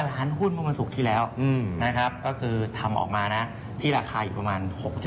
๑๕ล้านหุ้นมสุขที่แล้วนะครับก็คือทำมาที่ราคาอีกประมาณ๖๒๐